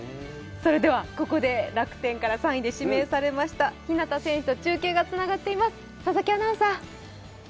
それではここで楽天から３位で指名されました日當選手と中継がつながっています。